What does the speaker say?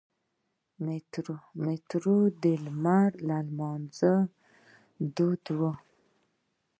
میترا یا لمر لمانځنه دود وه